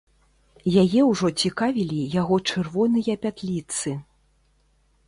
Яе ўжо цікавілі яго чырвоныя пятліцы.